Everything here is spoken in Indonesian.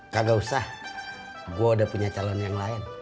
kagak usah gue udah punya calon yang lain